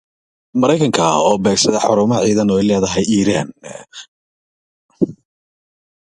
The parkland, surrounding the Old Town to its south, became known as the "Planty".